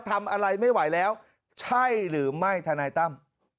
ทำอะไรไม่ไหวแล้วใช่หรือไม่ทนายตั้ม